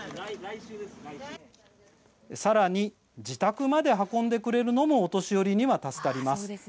さらに自宅まで運んでくれるのもお年寄りには助かります。